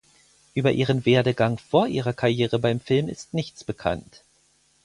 Über ihren Werdegang vor ihrer Karriere beim Film ist nichts bekannt.